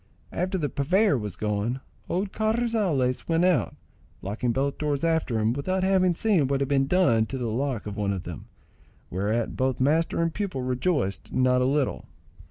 After the purveyor was gone, old Carrizales went out, locking both doors after him, without having seen what had been done to the lock of one of them, whereat both master and pupil rejoiced not a little.